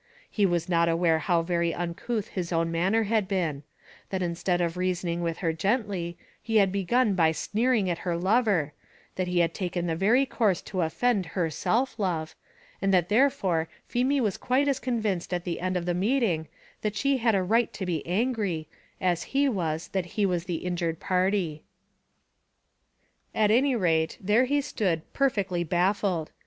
He was not aware how very uncouth his own manner had been; that instead of reasoning with her gently he had begun by sneering at her lover, that he had taken the very course to offend her self love, and that therefore Feemy was quite as convinced at the end of the meeting that she had a right to be angry, as he was that he was the injured party. At any rate, there he stood perfectly baffled.